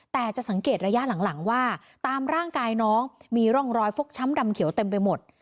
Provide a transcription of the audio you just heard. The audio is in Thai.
แต่จะสังเกตระยะหลังว่าตามร่างกายน้องมีร่องรอยฟกช้ำดำเขียวเต็มไปหมด